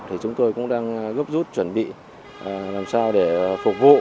thì chúng tôi cũng đang gấp rút chuẩn bị làm sao để phục vụ